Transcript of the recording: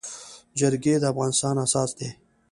جرګي د افغانستان اساس دی.